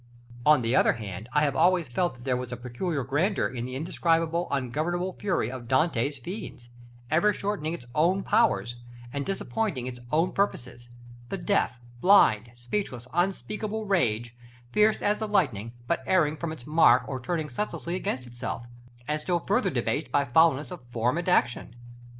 On the other hand, I have always felt that there was a peculiar grandeur in the indescribable, ungovernable fury of Dante's fiends, ever shortening its own powers, and disappointing its own purposes; the deaf, blind, speechless, unspeakable rage, fierce as the lightning, but erring from its mark or turning senselessly against itself, and still further debased by foulness of form and action.